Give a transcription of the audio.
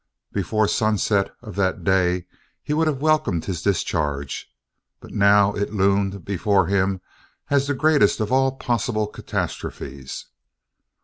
Before sunset of that day he would have welcomed his discharge; now it loomed before him as the greatest of all possible catastrophes.